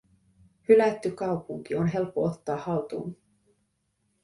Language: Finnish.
Hylätty kaupunki on helppo ottaa haltuun.